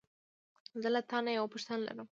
زه له تا نه یوه پوښتنه لرم.